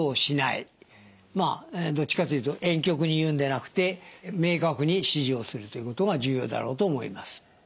どっちかというとえん曲に言うんでなくて明確に指示をするということが重要だろうと思います。